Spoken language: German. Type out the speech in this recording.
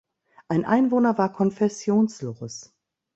Ein Einwohner war konfessionslos.